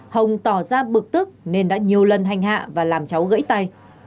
hồng tỏ ra bực tức nên đã nhiều lần hành hạ và làm cháu gãy tay